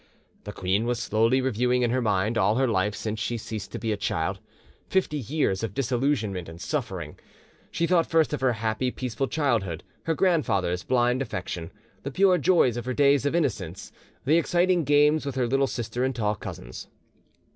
The queen was slowly reviewing in her mind all her life since she ceased to be a child—fifty years of disillusionment and suffering. She thought first of her happy, peaceful childhood, her grandfather's blind affection, the pure joys of her days of innocence, the exciting games with her little sister and tall cousins.